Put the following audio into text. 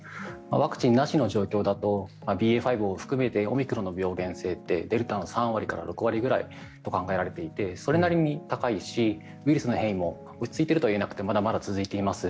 ワクチンなしの状況だとＢＡ．５を含めてオミクロンの病原性ってデルタの３割から６割ぐらいと考えられていてそれなりに高いしウイルスの変異も落ち着いているとは言えなくてまだまだ続いています。